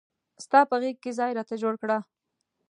ستا په غیږ کې ځای راته جوړ کړه.